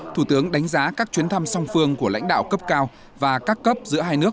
thủ tướng đánh giá các chuyến thăm song phương của lãnh đạo cấp cao và các cấp giữa hai nước